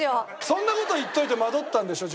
そんな事言っといて惑ったんでしょ？